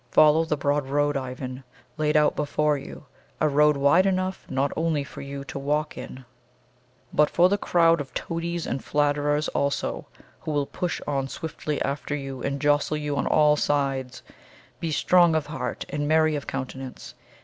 Follow the broad road, Ivan, laid out before you a road wide enough not only for you to walk in, but for the crowd of toadies and flatterers also, who will push on swiftly after you and jostle you on all sides; be strong of heart and merry of countenance!